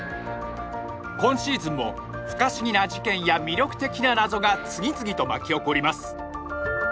今シーズンも不可思議な事件や魅力的な謎が次々と巻き起こります